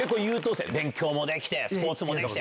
勉強もできてスポーツもできて。